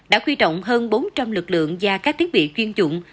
đã khuy trọng hơn bốn trăm linh lực lượng và các thiết bị chuyên dụng